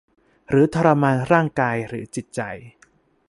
หรือทรมานร่างกายหรือจิตใจ